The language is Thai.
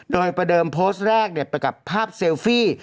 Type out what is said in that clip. โดยประเดิมโพสต์แรกไปกับภาพเซลฟี่